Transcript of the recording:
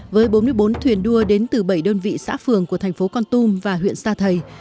với bốn mươi bốn thuyền đua đến từ bảy đơn vị xã phường của thành phố con tum và huyện sa thầy